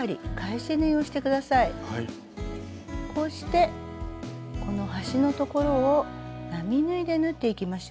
こうしてこの端の所を並縫いで縫っていきましょう。